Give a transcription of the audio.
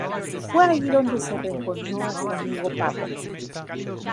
Fue allí donde se reencontró a su amigo Papo.